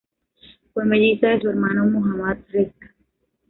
Fue melliza de su hermano Mohammad Reza.